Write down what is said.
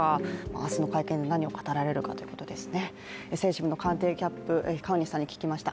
明日の会見で何が語られるのかということですね。